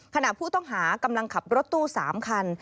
ขณะผู้ต้องหากำลังขับรถตู้๓คัน